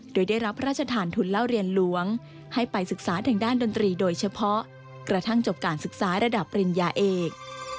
โดยได้รับพระราชทานทุนเล่าเรียนหลวงให้ไปศึกษาทางด้านดนตรีโดยเฉพาะกระทั่งจบการศึกษาระดับปริญญาเอก